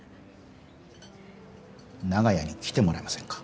長屋に来てもらえませんか？